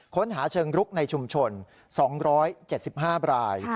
ค้นหาเชิงรุกในชุมชนสองร้อยเจ็ดสิบห้าราย